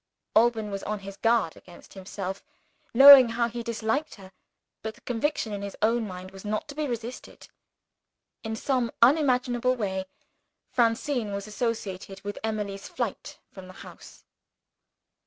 Alban was on his guard against himself, knowing how he disliked her. But the conviction in his own mind was not to be resisted. In some unimaginable way, Francine was associated with Emily's flight from the house.